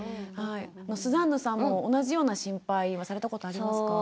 スザンヌさんも同じような心配はされたことありますか？